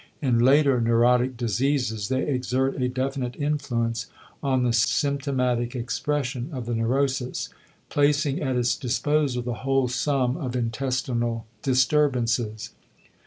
In later neurotic diseases they exert a definite influence on the symptomatic expression of the neurosis, placing at its disposal the whole sum of intestinal disturbances.